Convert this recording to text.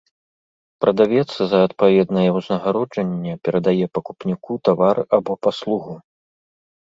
Прадавец за адпаведнае ўзнагароджанне перадае пакупніку тавар або паслугу.